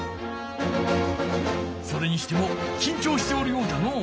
それにしてもきんちょうしておるようじゃのう。